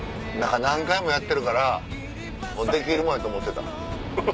何回もやってるからできるもんやと思ってた。